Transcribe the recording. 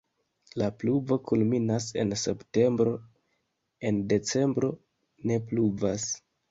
La pluvo kulminas en septembro, en decembro ne pluvas.